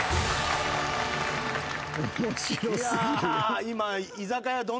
今。